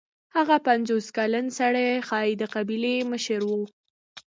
هغه پنځوس کلن سړی ښايي د قبیلې مشر و.